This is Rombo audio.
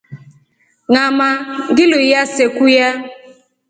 Ngama ngiluiya se kulya.